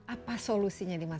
apa solusinya di sini